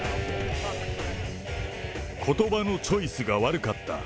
ことばのチョイスが悪かった。